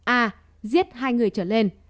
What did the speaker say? a giết hai người trở lên